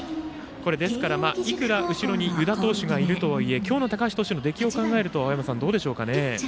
ですから、いくら後ろに湯田投手がいるとはいえ今日の高橋投手の出来を考えるとどうでしょうかね。